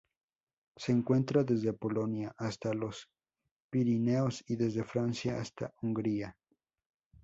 Se encuentra desde Polonia hasta los Pirineos y desde Francia hasta Hungría.